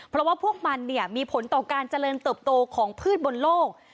เพราะว่าพวกมันมีผลต่อการเจริญเติบโตของพืชบนโลก